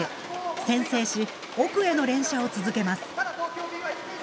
先制し奥への連射を続けます。